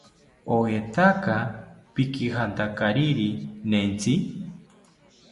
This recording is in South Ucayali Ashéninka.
¿Oetaka pikijantakariri nentzite?